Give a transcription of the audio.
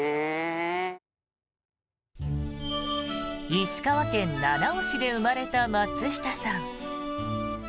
石川県七尾市で生まれた松下さん。